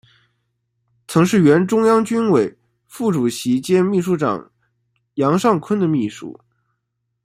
曾是原中央军委副主席兼秘书长杨尚昆的秘书。